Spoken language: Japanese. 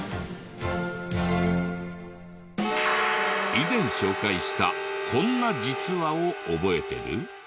以前紹介したこんな「実は」を覚えてる？